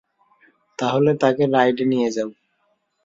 তাহলে তাকে রাইডে নিয়ে যাও।